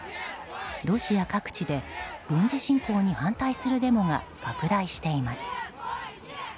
ロシア各地で軍事侵攻に反対するデモが拡大しています。